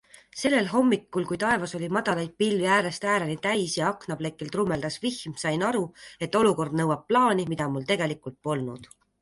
Sellel hommikul, kui taevas oli madalaid pilvi äärest ääreni täis ja aknaplekil trummeldas vihm, sain aru, et olukord nõuab plaani, mida mul tegelikult polnud.